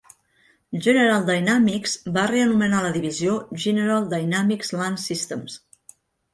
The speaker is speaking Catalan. General Dynamics va reanomenar la divisió, "General Dynamics Land Systems".